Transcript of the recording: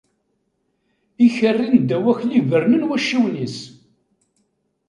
Ikerri n Dda Akli bernen wacciwen-is.